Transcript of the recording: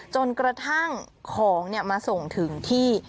จนกระทั่งของมาส่งถึงที่